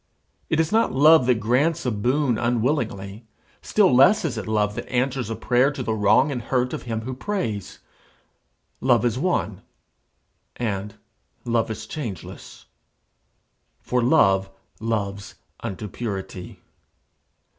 It is not love that grants a boon unwillingly; still less is it love that answers a prayer to the wrong and hurt of him who prays. Love is one, and love is changeless. For love loves unto purity.